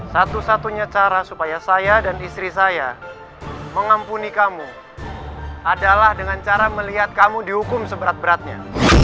satu satunya cara supaya saya dan istri saya mengampuni kamu adalah dengan cara melihat kamu dihukum seberat beratnya